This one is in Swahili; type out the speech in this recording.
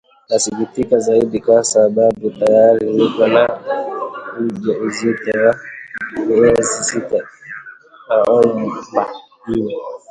Nasikitika zaidi kwa sababu tayari niko na uja uzito wa miezi sita ila naomba iwe